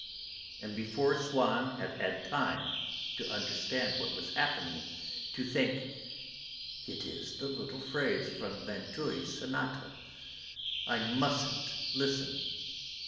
And before Swann had had time to understand what was happening, to think: "It is the little phrase from Vinteuil's sonata. I mustn't listen!"